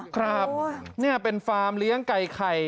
ครับนี่เป็นฟาร์มเลี้ยงไก่ไข่